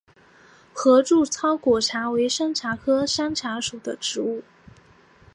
合柱糙果茶为山茶科山茶属的植物。